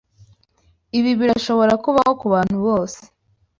Ibi birashobora kubaho kubantu bose.